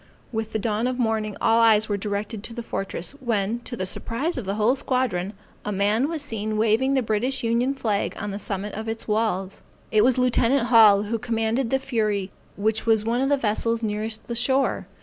With the dawn of morning, all eyes were directed to the fortress, when, to the surprise of the whole squadron, a man was seen waving the British Union flag on the summit of its walls. It was lieutenant Hall, who commanded the Fury which was one of the vessels nearest the shore.